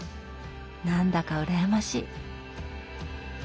何だか羨ましい。